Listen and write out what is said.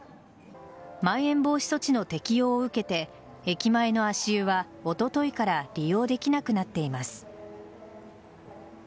まん延防止措置の適用を受けて駅前の足湯はおとといから利用できなくなっています。